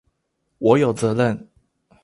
我有責任